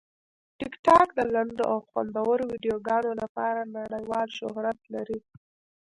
ټیکټاک د لنډو او خوندورو ویډیوګانو لپاره نړیوال شهرت لري.